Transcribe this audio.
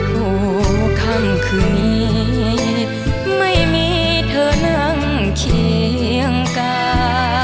หัวค่ำคืนนี้ไม่มีเธอนั่งเคียงกา